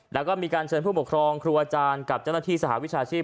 แล้วก็มีการเชิญผู้ปกครองครูอาจารย์กับเจ้าหน้าที่สหวิชาชีพ